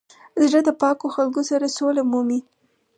زړه د پاکو خلکو سره سوله مومي.